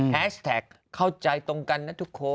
แฮชแท็กเข้าใจตรงกันนะทุกคน